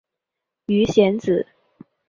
鱼显子